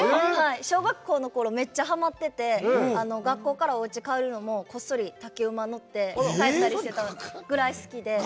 小学校のころめっちゃはまってて学校から家に帰るのもこっそり竹馬乗って帰ったりしてたぐらい好きで。